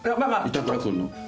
板倉君の。